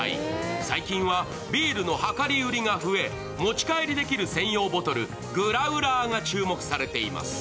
最近はビールの量り売りが増え、持ち帰りできる専用ボトル・グラウラーが注目されています。